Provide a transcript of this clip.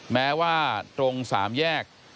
แม้ว่าตรง๓แยก